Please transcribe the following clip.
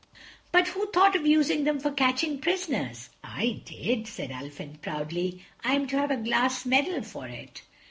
"But who thought of using them for catching prisoners?" "I did," said Ulfin proudly, "I'm to have a glass medal for it."